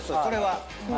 それは。